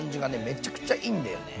めっちゃくちゃいいんだよね。